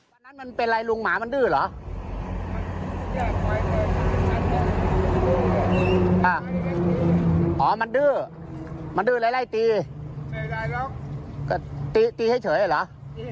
แล้วตัวไหนที่ลุงตีตัวไหนไป